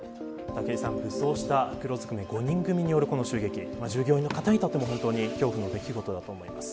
武装した黒ずくめの５人組による襲撃従業員の方にとっても恐怖の出来事だと思います。